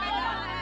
pengen apa sih